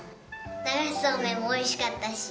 流しそうめんもおいしかったし。